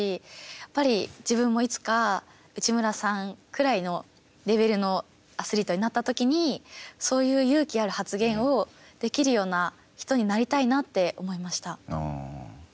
やっぱり自分もいつか内村さんくらいのレベルのアスリートになったときにそういう勇気ある発言をできるような人になりたいなって思いました。